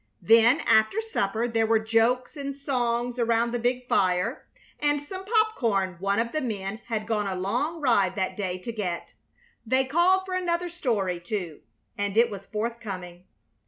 Then after supper there were jokes and songs around the big fire, and some popcorn one of the men had gone a long ride that day to get. They called for another story, too, and it was forthcoming.